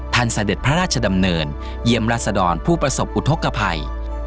เสด็จพระราชดำเนินเยี่ยมราชดรผู้ประสบอุทธกภัย